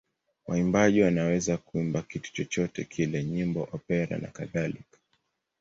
Waimbaji wanaweza kuimba kitu chochote kile: nyimbo, opera nakadhalika.